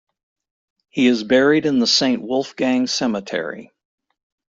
He is buried in the Saint Wolfgang cemetery.